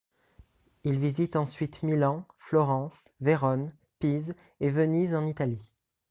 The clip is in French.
Il visite ensuite Milan, Florence, Vérone, Pise et Venise en Italie.